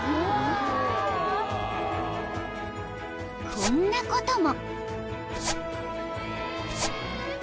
［こんなことも］